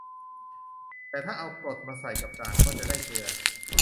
แต่ถ้าเอากรดมาใส่กับด่าง ก็จะได้เกลือ